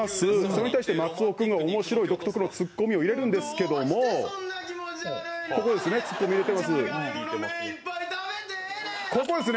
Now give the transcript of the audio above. それに対して松尾君が独特のツッコミを入れるんですけどツッコミを入れています。